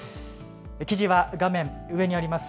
記事は画面上にあります